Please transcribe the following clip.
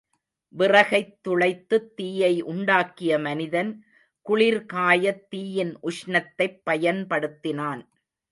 விறகைத் துளைத்துத் தீயை உண்டாக்கிய மனிதன், குளிர்காயத் தீயின் உஷ்ணத்தைப் பயன்படுத்தினான்.